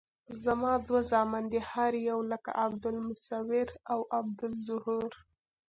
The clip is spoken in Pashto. زما دوه زامن دي هر یو لکه عبدالمصویر او عبدالظهور.